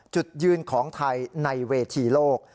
จุดยืนของไทยในเวทีโลก